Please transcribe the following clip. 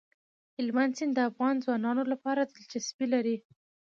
هلمند سیند د افغان ځوانانو لپاره دلچسپي لري.